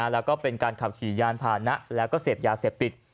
แล้วก็เป็นการขับขี่ยานพานะแล้วก็เสพยาเสพติด